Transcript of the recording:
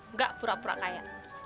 nggak pura pura kaya